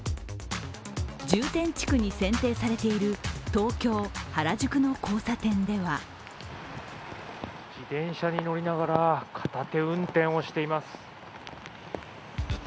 重点地区に選定されている東京原宿の交差点では自転車に乗りながら片手運転をしています。